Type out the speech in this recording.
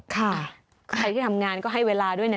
ใครที่ทำงานก็ให้เวลาด้วยนะ